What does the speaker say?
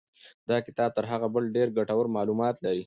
دا کتاب تر هغه بل ډېر ګټور معلومات لري.